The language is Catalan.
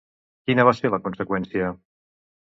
Quina va ser la conseqüència?